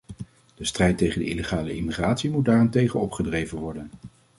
De strijd tegen de illegale immigratie moet daarentegen opgedreven worden.